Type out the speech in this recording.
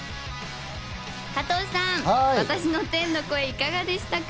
加藤さん、私の天の声、いかがでしたか？